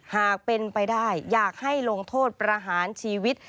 หากเป็นไปได้อยากให้ลงโทษประหารชีวิต